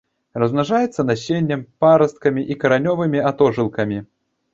Размнажаецца насеннем, парасткамі і каранёвымі атожылкамі.